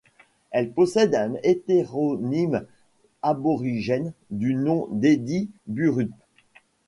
Elle possède un hétéronyme aborigène du nom d'Eddie Burrup.